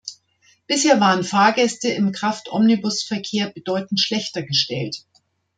Bisher waren Fahrgäste im Kraftomnibusverkehr bedeutend schlechter gestellt.